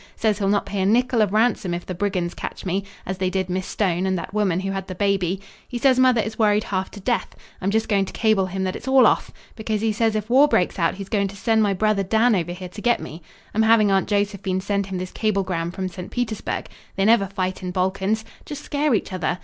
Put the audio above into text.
Says he'll not pay a nickel of ransom if the brigands catch me, as they did Miss Stone and that woman who had the baby. He says mother is worried half to death. I'm just going to cable him that it's all off. Because he says if war breaks out he's going to send my brother Dan over here to get me. I'm having Aunt Josephine send him this cablegram from St. Petersburg: 'They never fight in Balkans. Just scare each other.